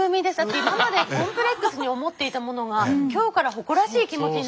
今までコンプレックスに思っていたものが今日から誇らしい気持ちになれるって。